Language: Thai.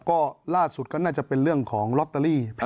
ก็ล่าสุดก็น่าจะเป็นเรื่องของลอตเตอรี่